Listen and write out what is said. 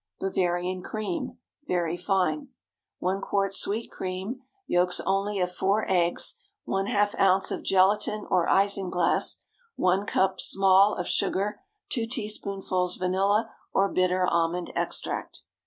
BAVARIAN CREAM (Very fine.) ✠ 1 quart sweet cream. Yolks only of four eggs. ½ oz. of gelatine or isinglass. 1 cup (small) of sugar. 2 teaspoonfuls vanilla or bitter almond extract.